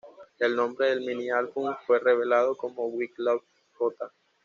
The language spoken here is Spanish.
El nombre del mini-álbum fue revelado como "With Love, J".